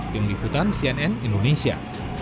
tim diputan cnn indonesia